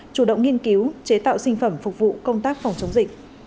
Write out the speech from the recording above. chủ động nghiên cứu chế tạo sinh phẩm phục vụ công tác phòng chống dịch